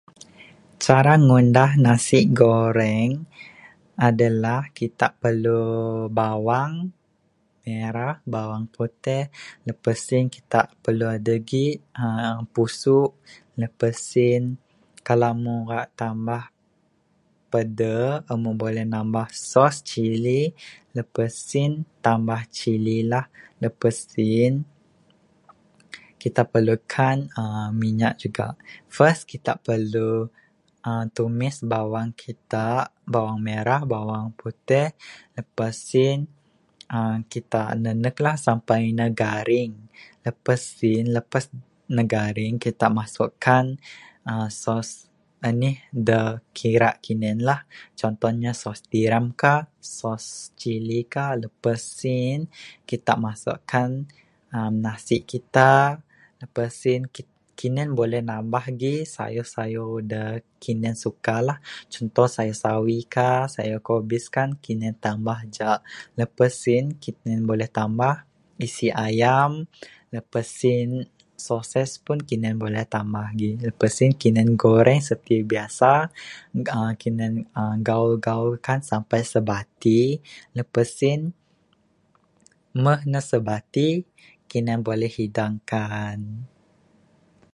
Cara ngundah nasi goreng adalah kita perlu bawang merah, bawang putih. Lepas en kita perlu adeh gik uhh pusuk. Meh sien kalau mu ra tambah peder, amu buleh nambah sos cili, lepas sien tambah cili lah. Lepas sien kita perlukan uhh minyak juga. First kita perlu uhh tumis bawang kita, bawang merah, bawang putih. Lepas sien uhh kita nanek lah sampai ne garing. Lepas sien lepas ne garing kita masukkan uhh sos anih da ira kinden lah. Contoh nya sos tiram ka, sos cili ka, lepas sien, kita masukkan nasi kita. Lepas sien kinden boleh nambah gih sayur sayuran da kinden suka lah. Contoh sayur sawi ka, sayur kobis kan kinden tambah ja. Lepas sien kinde boleh tambah isi ayam. Lepas sien sosej pun kine buleh tambah gih. Lepas sien kine goreng seperti biasa. uhh kinden gaul gaul kan sampe sebati. Lepas sien, meh ne sebati, kine boleh hidangkan